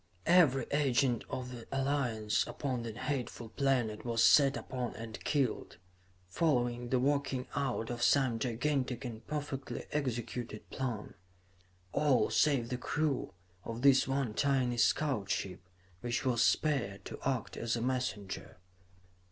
"Every agent of the Alliance upon that hateful planet was set upon and killed, following the working out of some gigantic and perfectly executed plan all save the crew of this one tiny scout ship, which was spared to act as a messenger.